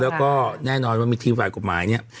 แล้วก็แน่นอนว่ามีเทรียมภายกฏหมายนี้